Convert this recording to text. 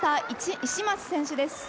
石松選手です。